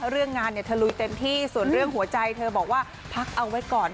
เรื่องงานเนี่ยเธอลุยเต็มที่ส่วนเรื่องหัวใจเธอบอกว่าพักเอาไว้ก่อน